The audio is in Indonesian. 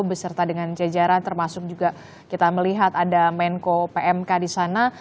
beserta dengan jajaran termasuk juga kita melihat ada menko pmk di sana